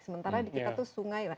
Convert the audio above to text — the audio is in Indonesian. sementara kita itu sungai